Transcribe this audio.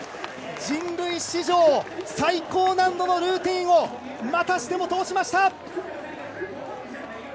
人類史上最高難度のルーティンをまたしても通しました！